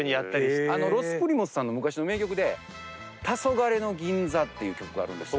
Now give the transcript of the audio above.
ロス・プリモスさんの昔の名曲で「たそがれの銀座」っていう曲があるんです。